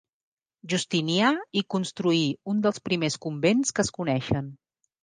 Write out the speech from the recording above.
Justinià hi construí un dels primers convents que es coneixen.